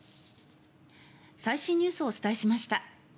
最新ニュースをお伝えしました。